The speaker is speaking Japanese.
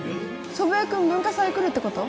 祖父江君文化祭来るってこと？